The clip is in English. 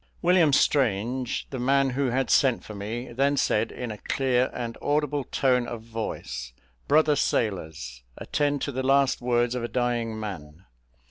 William Strange, the man who had sent for me, then said, in a clear and audible tone of voice: "Brother sailors, attend to the last words of a dying man.